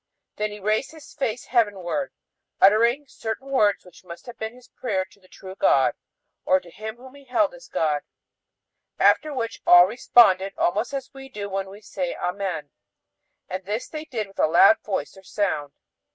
Then he raised his face heavenward, uttering certain words which must have been his prayer to the true God, or to him whom he held as God; after which all responded, almost as we do when we say amen; and this they did with a loud voice or sound.